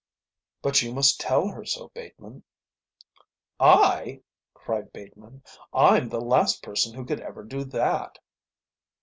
"But you must tell her so, Bateman." "I?" cried Bateman. "I'm the last person who could ever do that."